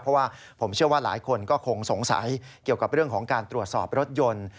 เพราะว่าผมเชื่อว่าหลายคนก็คงสงสัยเกี่ยวกับเรื่องของการตรวจสอบรถยนต์